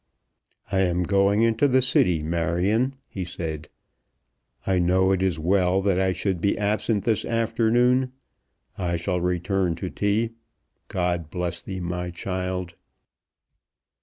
"I am going into the City, Marion," he said. "I know it is well that I should be absent this afternoon. I shall return to tea. God bless thee, my child."